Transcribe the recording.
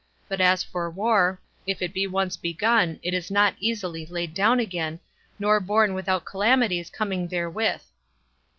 But as for war, if it be once begun, it is not easily laid down again, nor borne without calamities coming therewith.